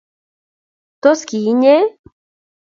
tos ki inye?